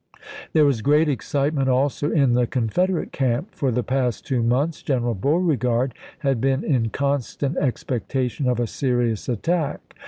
There was great excitement also in the Confed erate camp. For the past two months General Beauregard had been in constant expectation of a serious attack.